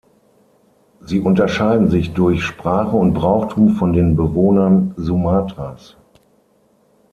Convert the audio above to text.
Sie unterscheiden sich durch Sprache und Brauchtum von den Bewohnern Sumatras.